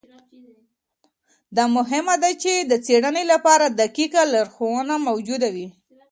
دا مهمه ده چي د څېړنې لپاره دقیقه لارښوونه موجوده وي.